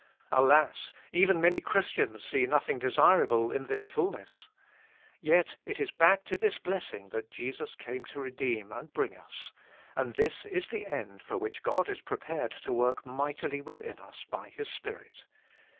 Alas ! even many Christians see nothing desirable in this fulness. Yet it is back to this blessing that Jesus came to redeem and bring us ; and this is the end for which God is prepared to work mightily within us by His Spirit.